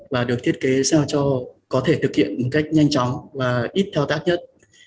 và được thiết kế sao cho có thể thực hiện một cách nhanh chóng và ít thao tác nhất